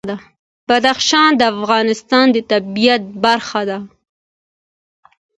بدخشان د افغانستان د طبیعت برخه ده.